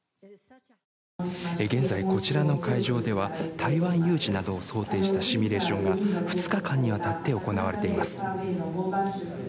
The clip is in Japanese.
現在、こちらの会場では台湾有事などを想定したシミュレーションが２日間にわたって行われています。